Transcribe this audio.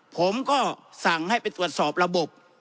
ผมก็สั่งให้ไปตรวจสอบระบบ